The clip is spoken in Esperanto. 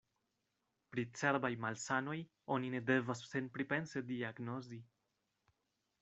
Pri cerbaj malsanoj oni ne devas senpripense diagnozi.